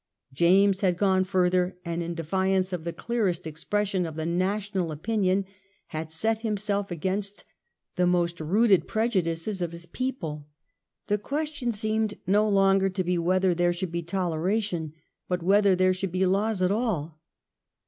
James had gone further, and in defiance of the clearest expression of the national opinion had set himself against the most rooted prejudices of his people. The question seemed no longer to be whether there should be Toleration, but whether there should be laws at all.